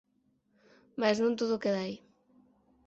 Mais non todo queda aí.